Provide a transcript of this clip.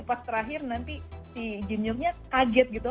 pas terakhir nanti si izin ryuknya kaget gitu